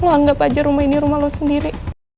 lu anggap aja rumah ini rumah lo sendiri